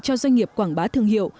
cho doanh nghiệp quảng bá thương hiệu